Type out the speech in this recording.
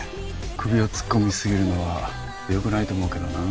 首を突っ込みすぎるのはよくないと思うけどな。